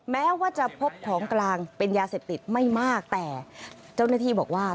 แม้ว่าจะพบของกลางเป็นยาเสพติดไม่มากแต่เจ้าหน้าที่บอกว่า